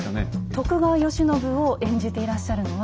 徳川慶喜を演じていらっしゃるのは。